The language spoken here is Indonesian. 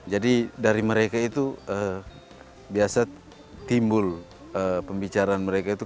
jadi dari mereka itu biasa timbul pembicaraan mereka itu